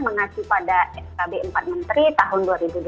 mengacu pada skb empat menteri tahun dua ribu dua puluh